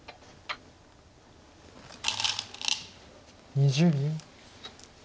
２０秒。